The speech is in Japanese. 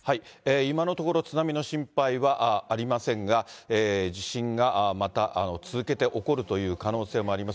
今のところ、津波の心配はありませんが、地震がまた続けて起こるという可能性もあります。